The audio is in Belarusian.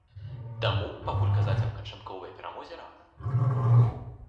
Таму пакуль казаць аб канчатковай перамозе рана.